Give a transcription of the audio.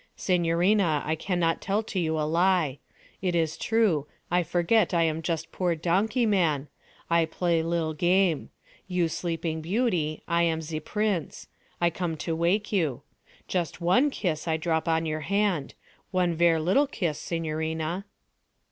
'Signorina, I cannot tell to you a lie. It is true, I forget I am just poor donkey man. I play li'l' game. You sleeping beauty; I am ze prince. I come to wake you. Just one kiss I drop on your hand one ver' little kiss, signorina.'